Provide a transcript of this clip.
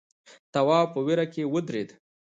تواب په وېره کې ودرېد.